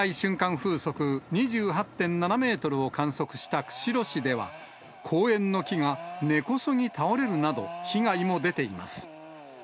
風速２８．７メートルを観測した釧路市では、公園の木が根こそぎ倒れるなど、被害も出ています。